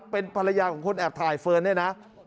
เป็นภรรยาของคนแอบถ่ายเฟิร์น